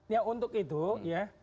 ya untuk itu ya